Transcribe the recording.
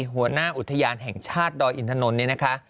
หัวหน้าอุทยานแห่งชาติดอยอินทนนะคะ